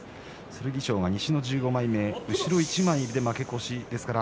剣翔が西の１５枚目後ろ１枚で負け越しです。